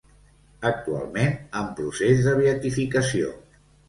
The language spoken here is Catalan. Actualment en procés de beatificació.